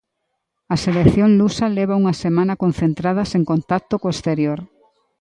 A selección lusa leva unha semana concentrada sen contacto co exterior.